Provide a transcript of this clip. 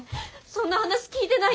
そんな話聞いてないよ。